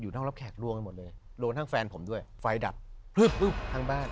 อยู่นั่งรับแขกรวงไปหมดเลยรวงทางแฟนผมด้วยไฟดับปุ๊บทางบ้าน